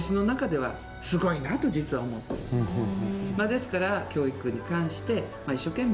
ですから。